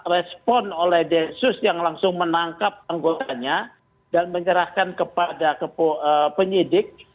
respon oleh densus yang langsung menangkap anggotanya dan menyerahkan kepada penyidik